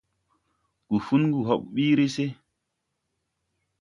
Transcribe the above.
Gufungu hɔɓ ɓiiri se.